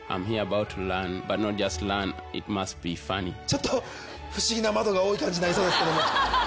ちょっと不思議な窓が多い感じになりそうな感じですけども。